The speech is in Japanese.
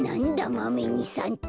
マメ２さんって。